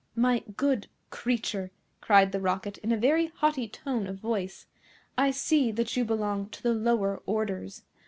"My good creature," cried the Rocket in a very haughty tone of voice, "I see that you belong to the lower orders.